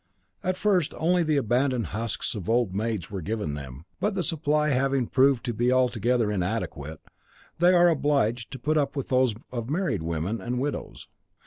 At first only the abandoned husks of old maids were given them, but the supply having proved to be altogether inadequate, they are obliged to put up with those of married women and widows.